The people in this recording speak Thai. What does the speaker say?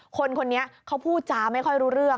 คนนี้เขาพูดจาไม่ค่อยรู้เรื่อง